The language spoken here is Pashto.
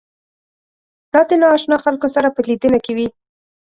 دا د نااشنا خلکو سره په لیدنه کې وي.